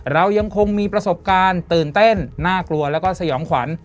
เรายังคงมีประสบการณ์ตื่นเต้นน่ากลัวแล้วก็สยองขวัญ